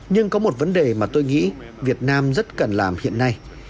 nhưng có một vấn đề mà tôi nghĩ việt nam rất cần làm hiện nay